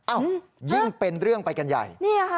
ยิ่งเป็นเรื่องไปกันใหญ่